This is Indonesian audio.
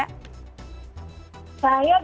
saya belum ada rencana pasti